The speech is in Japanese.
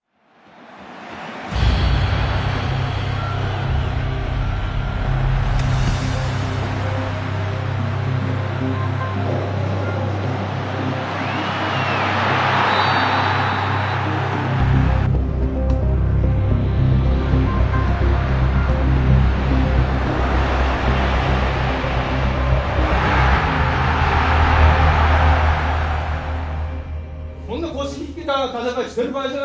こんな腰引けた戦いしてる場合じゃないよ。